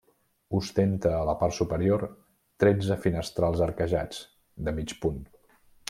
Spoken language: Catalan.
Ostenta a la part superior tretze finestrals arquejats, de mig punt.